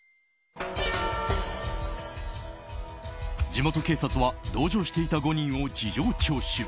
地元警察は同乗していた５人を事情聴取。